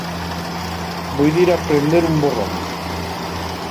Voi dir a prender un borrón.